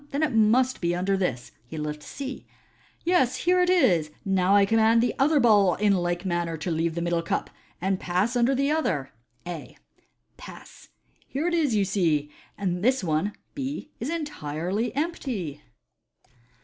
Then it must be under this." He lifts C. " Yes, bere it is. Now I com mand the other ball in like manner to leave the middle cup, and pas9 tinder the other (A). Pass ! Here it is, you see, and this one (B) is entirely empty."